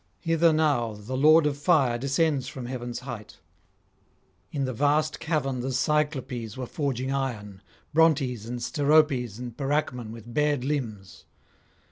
Hither now the Lord of Fire descends from heaven's height. In the vast cavern the Cyclopes were forging iron, Brontes and Steropes and Pyracmon with bared limbs.